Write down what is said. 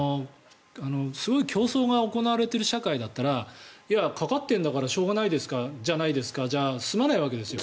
すごい競争が行われている社会だったらかかってるんだからしょうがないじゃないですかじゃ済まないわけですよ。